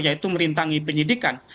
yaitu merintangi penyidikan